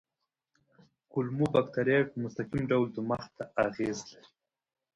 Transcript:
کولمو بکتریاوې په مستقیم ډول دماغ ته اغېز لري.